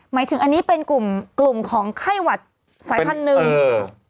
หมายถึงอันนี้เป็นกลุ่มกลุ่มของไข้หวัดสายพันธุ์หนึ่งเออ